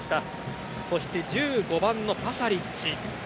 そして１５番のパシャリッチ。